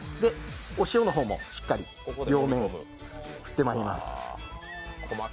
お塩の方もしっかり両面に振ってまいります。